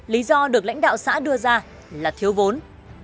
lý do được lãnh đạo xã đưa ra là thiếu vốn